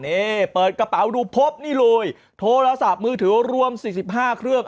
นี่เปิดกระเป๋าดูพบนี่เลยโทรศัพท์มือถือรวม๔๕เครื่อง